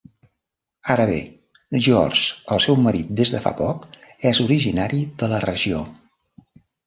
Ara bé, George, el seu marit des de fa poc, és originari de la regió.